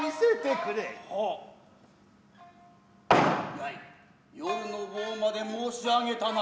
ヤイ夜の棒まで申し上げたな。